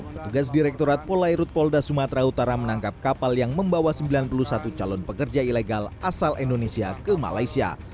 petugas direkturat polairut polda sumatera utara menangkap kapal yang membawa sembilan puluh satu calon pekerja ilegal asal indonesia ke malaysia